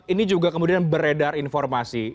ini juga kemudian beredar informasi